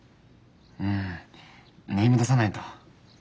うんネーム出さないと。